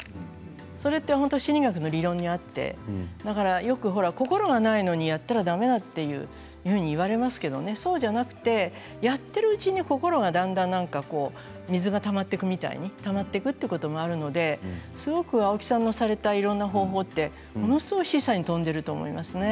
それは本当に心理学の理論にあってよく心がないのにやったらだめだというふうに言われますけれどもそうじゃなくてやっているうちに心がだんだん水がたまっていくみたいにたまっていくということもあるのですごく青木さんのされたいろいろな方法ってものすごく示唆に富んでいると思いますね。